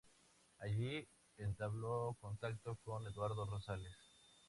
Allí entabló contacto con Eduardo Rosales.